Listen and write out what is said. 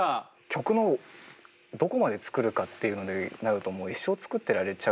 曲のどこまで作るかっていうのになるともうなるほど。